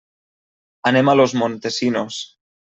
Anem a Los Montesinos.